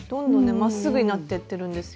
まっすぐになってってるんですよ。